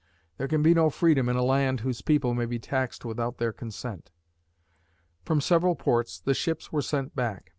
There can be no freedom in a land whose people may be taxed without their consent. From several ports, the ships were sent back.